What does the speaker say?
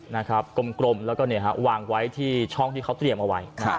นะครับกลมแล้วก็เนี่ยฮะวางไว้ที่ช่องที่เขาเตรียมเอาไว้